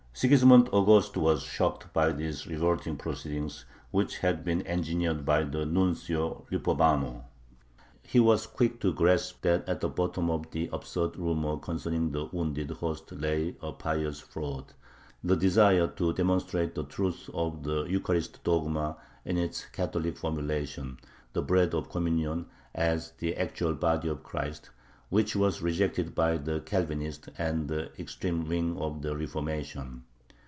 Sigismund Augustus was shocked by these revolting proceedings, which had been engineered by the Nuncio Lippomano. He was quick to grasp that at the bottom of the absurd rumor concerning the "wounded" host lay a "pious fraud," the desire to demonstrate the truth of the Eucharist dogma in its Catholic formulation (the bread of communion as the actual body of Christ), which was rejected by the Calvinists and the extreme wing of the Reformation.